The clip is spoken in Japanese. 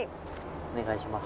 お願いします。